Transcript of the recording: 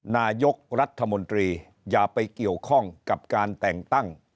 นายกรัฐมนตรีอย่าไปเกี่ยวข้องกับการแต่งตั้ง